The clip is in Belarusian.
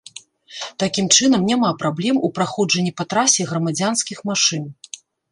Такім чынам, няма праблем у праходжанні па трасе грамадзянскіх машын.